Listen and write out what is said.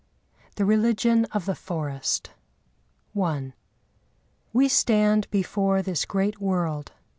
THE RELIGION OF THE FOREST I We stand before this great world.